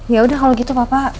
ya udah kalau gitu papa